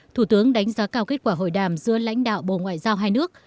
thủ tướng đánh giá cao kết quả hội đàm giữa lãnh đạo bộ ngoại giao hai nước